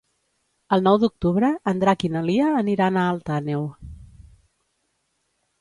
El nou d'octubre en Drac i na Lia aniran a Alt Àneu.